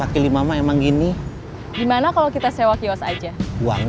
aku yakin pasti kurang